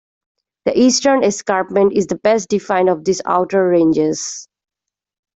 The eastern escarpment is the best defined of these outer ranges.